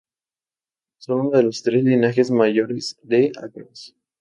Son uno de los tres linajes mayores de ácaros.